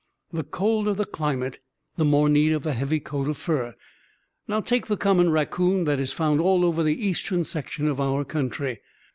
The colder the climate the more need of a heavy coat of fur. Now, take the common raccoon that is found all over the eastern section of our country.